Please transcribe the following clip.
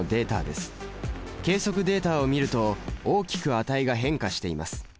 計測データを見ると大きく値が変化しています。